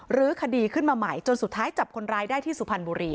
ื้อคดีขึ้นมาใหม่จนสุดท้ายจับคนร้ายได้ที่สุพรรณบุรี